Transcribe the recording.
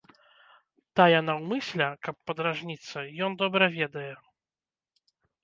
Тая наўмысля, каб падражніцца, ён добра ведае.